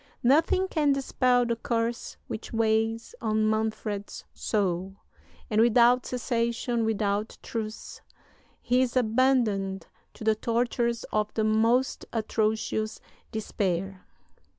Nothing can dispel the curse which weighs on Manfred's soul; and without cessation, without truce, he is abandoned to the tortures of the most atrocious despair.